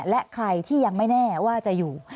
และใครที่ยังไม่แน่ว่าจะอยู่